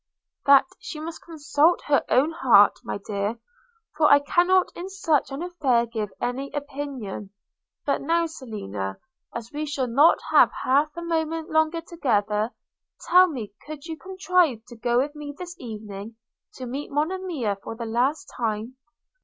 'That she must consult her own heart, my dear; for I cannot in such an affair give any opinion. But now, Selina, as we shall not have half a moment longer together, tell me, could you contrive to go with me this evening to meet Monimia for the last time?'